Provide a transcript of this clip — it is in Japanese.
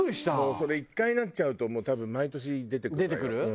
もうそれ１回なっちゃうと多分毎年出てくるわよ。